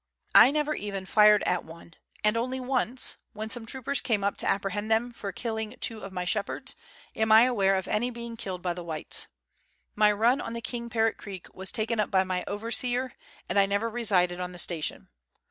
I never even fired at one, and only once, when some troopers came up to apprehend them for killing two of my shep herds, am I aware of any being killed by the whites. My run on the King Parrot Creek was taken up by my overseer, and I never resided on the station.